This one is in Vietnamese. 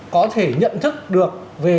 có thể nhận thức được về